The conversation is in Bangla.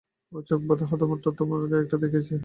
ওই চোখ বাঁধা হাঁদারামটা তোমাকে একটা দিয়েছে, না?